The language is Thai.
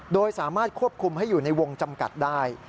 โดยสามารถควบคุมให้อยู่ในวงจำกัดได้